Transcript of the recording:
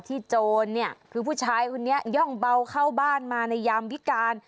โจรเนี่ยคือผู้ชายคนนี้ย่องเบาเข้าบ้านมาในยามวิการ